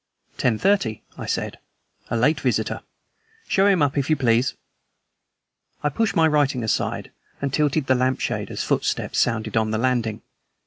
"Ten thirty!" I said. "A late visitor. Show him up, if you please." I pushed my writing aside and tilted the lamp shade, as footsteps sounded on the landing.